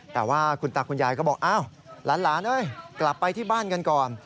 แต่ว่าคุณตาคุณยายก็บอกอ้าวหลานกลับไปที่บ้านกันก่อน